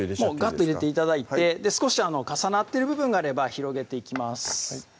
ガッと入れて頂いて少し重なってる部分があれば広げていきます